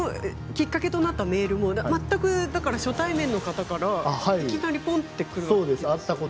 きっかけとなったメールも初対面の方からいきなりぽんとくるんですね。